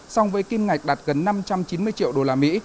song với kim ngạch đạt gần năm trăm chín mươi triệu đô la mỹ